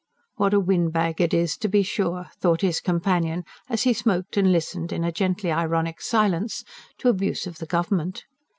"What a wind bag it is, to be sure!" thought his companion, as he smoked and listened, in a gently ironic silence, to abuse of the Government.